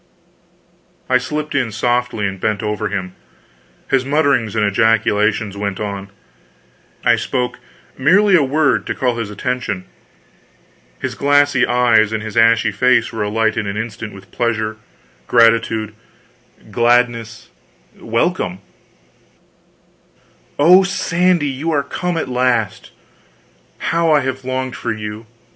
I slipped in softly and bent over him. His mutterings and ejaculations went on. I spoke merely a word, to call his attention. His glassy eyes and his ashy face were alight in an instant with pleasure, gratitude, gladness, welcome: "Oh, Sandy, you are come at last how I have longed for you!